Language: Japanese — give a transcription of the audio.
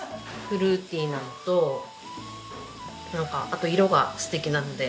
フルーティーなのとなんかあと色が素敵なので。